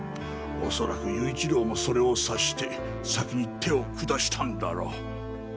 恐らく勇一郎もそれを察して先に手を下したんだろう。